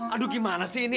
aduh gimana sih ini